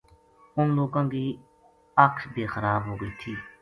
ان لوکاں کی اکھ بے خراب ہو گئی تھی